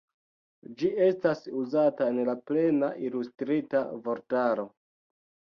Ĝi estas uzata en la Plena Ilustrita Vortaro.